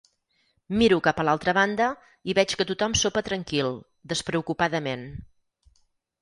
Miro cap a l'altra banda i veig que tothom sopa tranquil, despreocupadament.